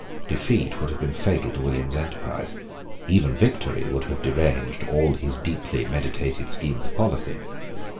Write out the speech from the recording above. Defeat would have been fatal to William's enterprise. Even victory would have deranged all his deeply meditated schemes of policy.